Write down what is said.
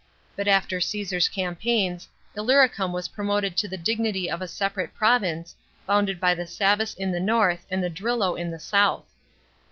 But after Caesar's campaigns, IllyricuMi was promoted to the dignity of a separate province, bounded by the Savus in the north and the Drilo in the south.